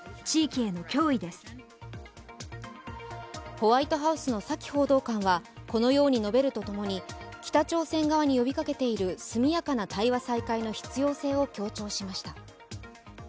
ホワイトハウスのサキ報道官はこのように述べると共に北朝鮮側に呼びかけている速やかな対話再開の必要性を強調しました。